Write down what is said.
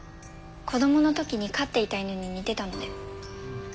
子供の時に飼っていた犬に似てたので。